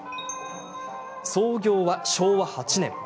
創業は、昭和８年。